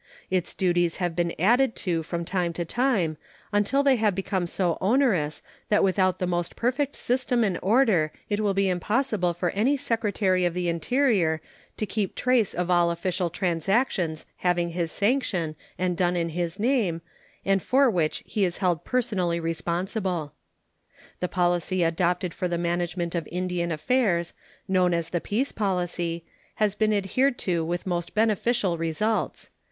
Its duties have been added to from time to time until they have become so onerous that without the most perfect system and order it will be impossible for any Secretary of the Interior to keep trace of all official transactions having his sanction and done in his name, and for which he is held personally responsible. The policy adopted for the management of Indian affairs, known as the peace policy, has been adhered to with most beneficial results.